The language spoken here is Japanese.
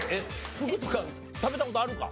フグとか食べた事あるのか？